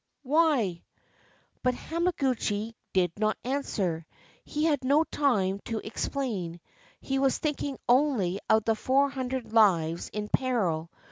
— why?" But Hamaguchi did not answer: he had no time to explain; he was thinking only of the four hundred lives in peril.